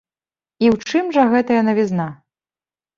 І ў чым жа гэтая навізна?